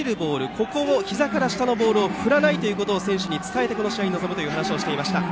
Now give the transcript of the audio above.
そういう、ひざから下のボールを振らないということを選手に伝えてこの試合に臨むと話していました。